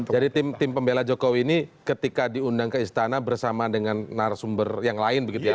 jadi tim pembela jokowi ini ketika diundang ke istana bersama dengan narasumber yang lain begitu ya